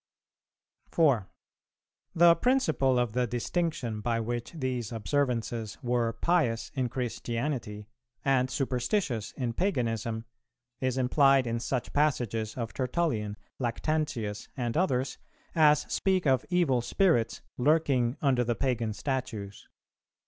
[370:2] 4. The principle of the distinction, by which these observances were pious in Christianity and superstitious in paganism, is implied in such passages of Tertullian, Lactantius, and others, as speak of evil spirits lurking under the pagan statues.